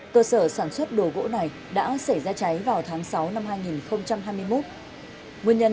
cơ sở sản xuất đồ gỗ này đã xảy ra cháy vào tháng sáu năm hai nghìn hai mươi một nguyên nhân